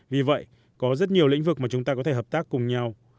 vì vậy có rất nhiều lĩnh vực mà chúng ta có thể hợp tác cùng nhau